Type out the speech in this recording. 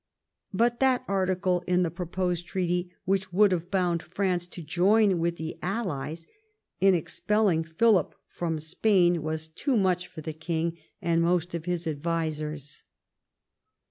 But that article in the proposed treaty which would have bound France to join with the allies in expelling Philip from Spain was too much for the King and most of his advisers.